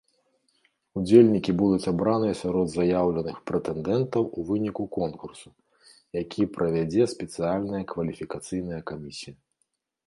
Удзельнікі будуць абраныя сярод заяўленых прэтэндэнтаў у выніку конкурсу, які правядзе спецыяльная кваліфікацыйная камісія.